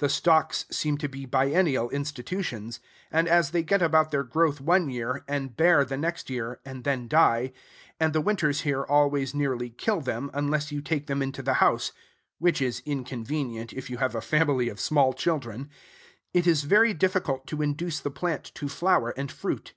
The stalks seem to be biennial institutions; and as they get about their growth one year, and bear the next year, and then die, and the winters here nearly always kill them, unless you take them into the house (which is inconvenient if you have a family of small children), it is very difficult to induce the plant to flower and fruit.